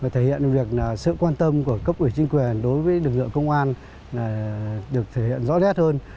thể hiện việc sự quan tâm của cấp ủy chính quyền đối với lực lượng công an được thể hiện rõ rệt hơn